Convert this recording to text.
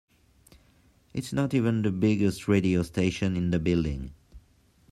It's not even the biggest radio station in the building.